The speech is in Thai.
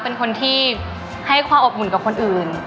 เป็นคนที่ให้ความอบอุ่นกับคนอื่น